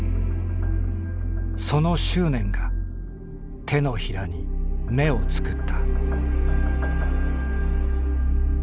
「その執念が手のひらに目を作った」。